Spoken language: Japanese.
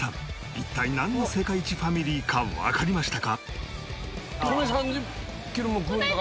一体なんの世界一ファミリーかわかりましたか？